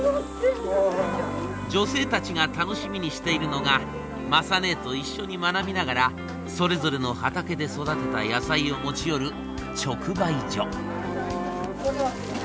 女性たちが楽しみにしているのが雅ねえと一緒に学びながらそれぞれの畑で育てた野菜を持ち寄る直売所。